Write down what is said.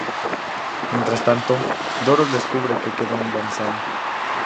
Mientras tanto, Doro descubre que quedó embarazada.